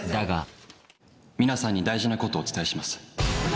皆さんに大事なことをお伝えします。